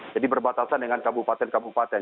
jadi berbatasan dengan kabupaten kabupaten